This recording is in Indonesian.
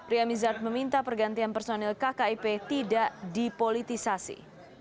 ria mizard meminta pergantian personil kkip tidak dipolitisasi